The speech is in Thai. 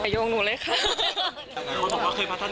อะไรทุกคนบอกว่าเคยพัฒนาแล้วก็พัฒนาไปไม่ต่อไม่ได้